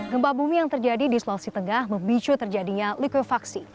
gempa bumi yang terjadi di sulawesi tengah memicu terjadinya likuifaksi